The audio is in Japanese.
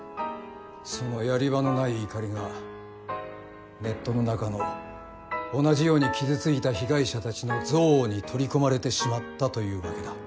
そのやり場のない怒りがネットの中の同じように傷ついた被害者たちの憎悪に取り込まれてしまったというわけだ。